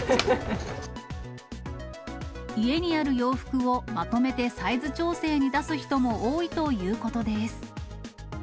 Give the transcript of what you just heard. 家にある洋服をまとめてサイズ調整に出す人も多いということです。